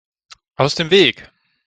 Aus dem Weg!